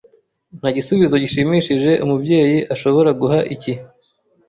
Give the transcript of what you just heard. Nta gisubizo gishimishije umubyeyi ashobora guha iki.